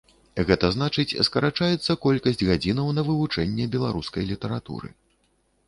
Гэта значыць, скарачаецца колькасць гадзінаў на вывучэнне беларускай літаратуры.